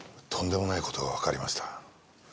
とんでもない事がわかりました。